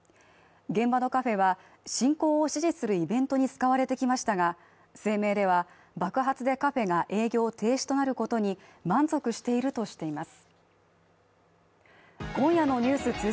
現場のカフェは、進行を支持するイベントに使われてきましたが、声明では爆発でカフェが営業停止となることに満足しているとしています。